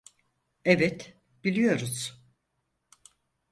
Evet, biliyoruz.